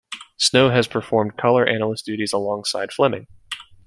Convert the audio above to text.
Snow has performed color analyst duties alongside Flemming.